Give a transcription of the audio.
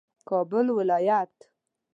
کابل ولایت